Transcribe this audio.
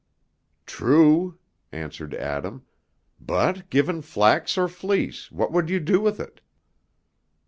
"True," answered Adam, "but given flax or fleece, what would you do with it?"